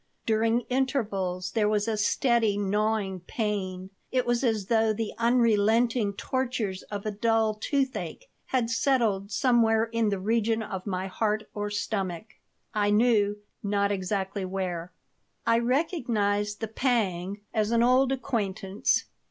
During intervals there was a steady gnawing pain. It was as though the unrelenting tortures of a dull toothache had settled somewhere in the region of my heart or stomach, I knew not exactly where. I recognized the pang as an old acquaintance.